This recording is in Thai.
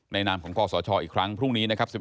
นามของกศชอีกครั้งพรุ่งนี้นะครับ